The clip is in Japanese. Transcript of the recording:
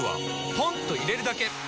ポンと入れるだけ！